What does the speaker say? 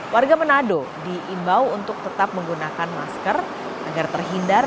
warga menado diimbau untuk tetap menggunakan masker